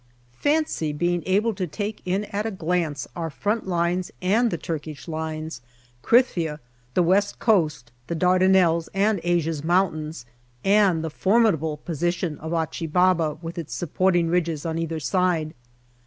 Fancy being able to take in at a glance our front lines and the Turkish lines, Krithia, the West Coast, the Dar danelles, and Asia's mountains, and the formidable position of Achi Baba, with its supporting ridges on either side.